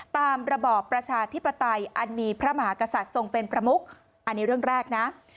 ระบอบประชาธิปไตยอันมีพระมหากษัตริย์ทรงเป็นประมุกอันนี้เรื่องแรกนะ